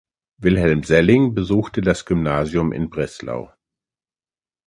Wilhelm Selling besuchte das Gymnasium in Breslau.